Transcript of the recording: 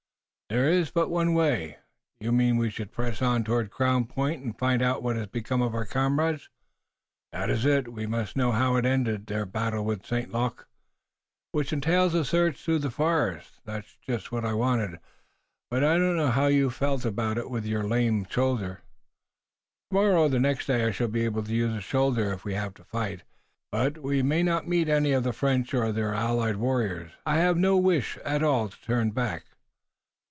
"There is but one way." "You mean we should press on toward Crown Point, and find out what has become of our comrades?" "That is it. We must know how ended their battle with St. Luc." "Which entails a search through the forest. That's just what I wanted, but I didn't know how you felt about it with your lame shoulder." "Tomorrow or next day I shall be able to use the shoulder if we have to fight, but we may not meet any of the French or their allied warriors. I have no wish at all to turn back."